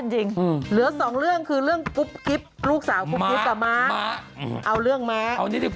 จริงพี่สาวนางเอก